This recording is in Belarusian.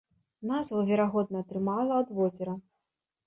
Назву, верагодна, атрымала ад возера.